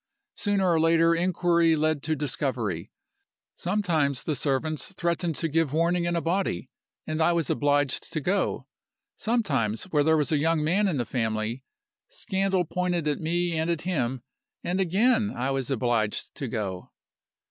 Sooner or later inquiry led to discovery. Sometimes the servants threatened to give warning in a body and I was obliged to go. Sometimes, where there was a young man in the family, scandal pointed at me and at him and again I was obliged to go.